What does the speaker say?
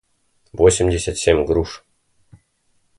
восемьдесят семь груш